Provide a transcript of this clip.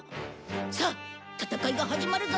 さあ戦いが始まるぞ！